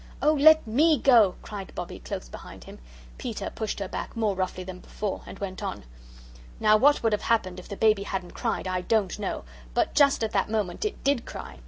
"Oh, let ME go," cried Bobbie, close behind him. Peter pushed her back more roughly than before, and went on. Now what would have happened if the baby hadn't cried I don't know but just at that moment it DID cry.